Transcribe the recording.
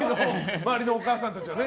周りのお母さんたちはね。